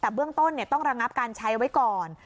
แต่เบื้องต้นต้องระงับการใช้ไว้ก่อน